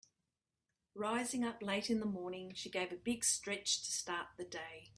Rising up late in the morning she gave a big stretch to start the day.